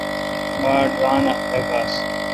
باڑ ران اؘ خلق آس ۔